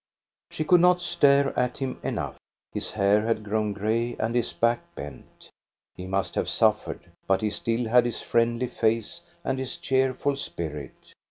She could not stare at him enough. His hair had grown gray and his back bent; he must have suffeFed. But he still had his friendly face and his cheerful spirit.